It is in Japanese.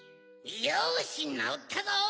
よしなおったぞ！